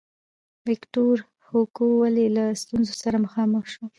ویکتور هوګو ولې له ستونزو سره مخامخ شو.